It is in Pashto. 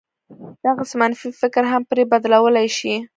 دغسې منفي فکر هم پرې بدلولای شي.